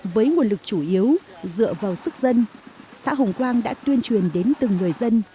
với nguồn lực chủ yếu dựa vào sức dân xã hồng quang đã tuyên truyền đến từng người dân